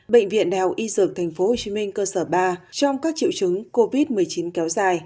bệnh viện đại học y dược tp hcm cơ sở ba trong các triệu chứng covid một mươi chín kéo dài